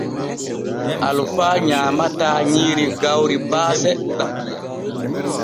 Alfa nyaamataa nyiiri gawri baa seɗɗa.